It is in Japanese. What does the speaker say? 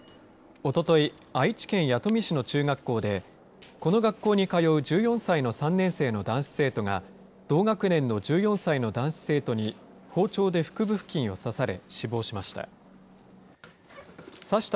おととい、愛知県弥富市の中学校で、この学校に通う１４歳の３年生の男子生徒が、同学年の１４歳の男子生徒に包丁で腹部付近を刺され死亡しました。